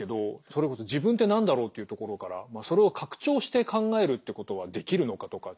それこそ自分って何だろうっていうところからそれを拡張して考えるってことはできるのかとか。